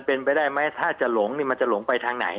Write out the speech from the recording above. เป็นไปได้ไหมถ้าจะหลงนี่มันจะหลงไปทางไหน